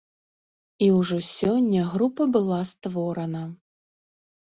І ўжо сёння група была створана.